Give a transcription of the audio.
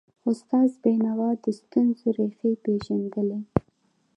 استاد بینوا د ستونزو ریښې پېژندلي.